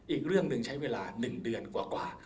อีกเรื่องหนึ่งใช้เวลา๑เดือนกว่า